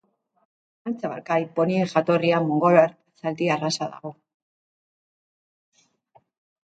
Antza Baikal ponien jatorrian mongoliar zaldi arraza dago.